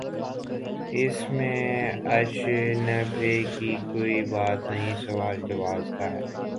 اس میں اچنبھے کی کوئی بات نہیں سوال جواز کا ہے۔